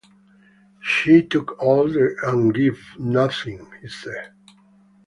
She took all and gave nothing, he said.